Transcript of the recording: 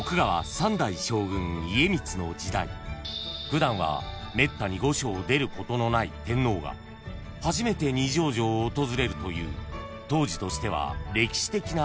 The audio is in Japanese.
［普段はめったに御所を出ることのない天皇が初めて二条城を訪れるという当時としては歴史的な出来事があり］